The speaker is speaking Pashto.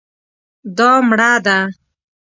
دا مړه ده